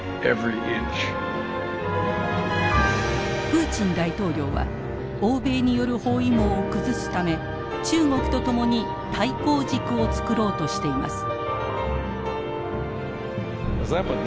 プーチン大統領は欧米による包囲網を崩すため中国と共に対抗軸を作ろうとしています。